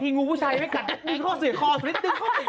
พี่งูผู้ชายไม่กัดงูดึงเข้าสืบคอสุดนิด